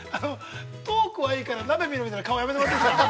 ◆トークはいいから、見るのはやめてもらっていいですか。